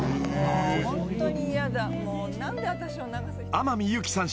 ［天海祐希さん